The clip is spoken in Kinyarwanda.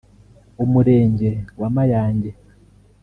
Umurenge wa Mayange